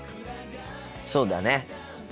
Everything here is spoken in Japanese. そうだね。